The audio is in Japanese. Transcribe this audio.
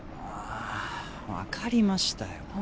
あっ分かりましたよ